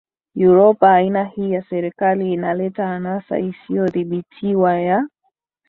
Uropa Aina hii ya serikali inaleta anasa isiyodhibitiwa ya